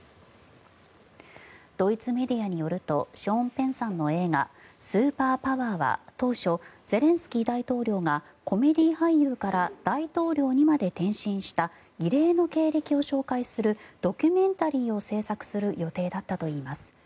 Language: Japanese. ドイツメディアによるとショーン・ペンさんの映画「スーパーパワー」は当初ゼレンスキー大統領がコメディー俳優から大統領にまで転身した異例の経歴を紹介するドキュメンタリーを製作する予定だったといいます。